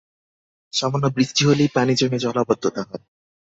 সামান্য বৃষ্টি হলেই পানি জমে জলাবদ্ধতা হয়।